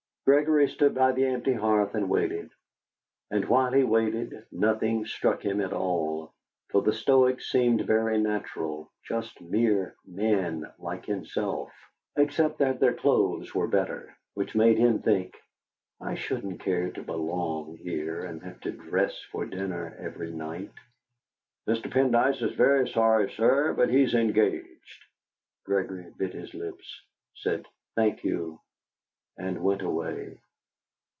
Gregory stood by the empty hearth and waited, and while he waited, nothing struck him at all, for the Stoics seemed very natural, just mere men like himself, except that their clothes were better, which made him think: 'I shouldn't care to belong here and have to dress for dinner every night.' "Mr. Pendyce is very sorry, sir, but he's engaged." Gregory bit his lip, said "Thank you," and went away.